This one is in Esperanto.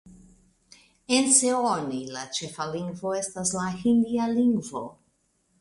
En Seoni la ĉefa lingvo estas la hindia lingvo.